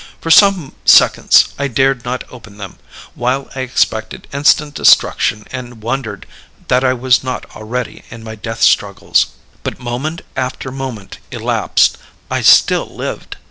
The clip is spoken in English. For some seconds I dared not open them; while I expected instant destruction and wondered that I was not already in my death struggles. "But moment after moment elapsed. I still lived.